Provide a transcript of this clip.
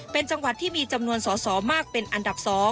เป็นจังหวัดที่มีจำนวนสอสอมากเป็นอันดับ๒